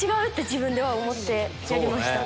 自分では思ってやりました。